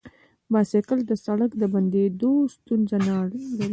بایسکل د سړک د بندیدو ستونزه نه لري.